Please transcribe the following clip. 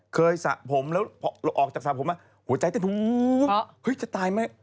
เคยสระผมแล้วออกจากสระผมมาหัวใจเต็มจะตายไหม